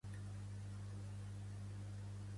És el contrari de la hipermenorrea o menorràgia.